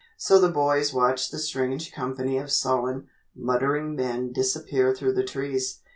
So the boys watched the strange company of sullen, muttering men disappear through the trees.